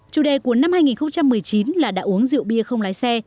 chủ đề của năm hai nghìn một mươi chín là đã uống rượu bia không lái xe